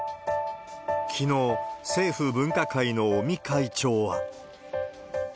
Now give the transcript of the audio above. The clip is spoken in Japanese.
きのう、政府分科会の尾身会長は。